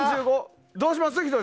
どうします？